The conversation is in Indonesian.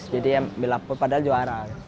jadi yang belapak padahal juara